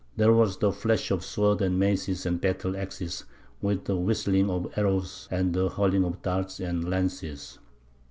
There was the flash of swords and maces and battle axes, with the whistling of arrows and the hurling of darts and lances.